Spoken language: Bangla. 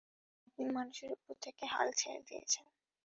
আপনি মানুষের উপর থেকে হাল ছেড়ে দিয়েছেন।